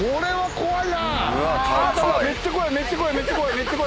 怖い！